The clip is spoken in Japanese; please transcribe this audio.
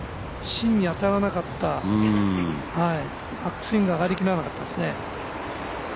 芯に当たらなかった、バックスイング、上がりきらなかったですね。